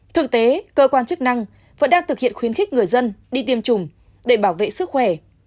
thực tế cơ quan chức năng vẫn đang thực hiện khuyến khích người dân đi tiêm chủng để bảo vệ sức khỏe